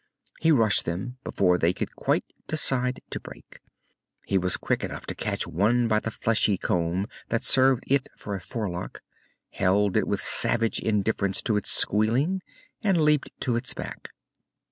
He rushed them, before they should quite decide to break. He was quick enough to catch one by the fleshy comb that served it for a forelock, held it with savage indifference to its squealing, and leaped to its back.